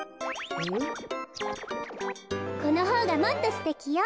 このほうがもっとすてきよ。